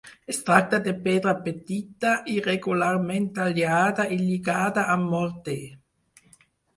Es tracta de pedra petita, irregularment tallada, i lligada amb morter.